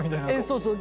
そうそう。